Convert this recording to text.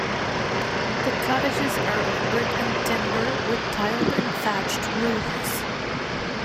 The cottages are of brick and timber with tiled and thatched roofs.